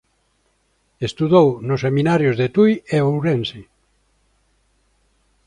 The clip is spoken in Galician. Estudou nos Seminarios de Tui e Ourense.